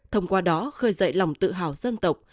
thông qua đó khơi dậy lòng tự hào dân tộc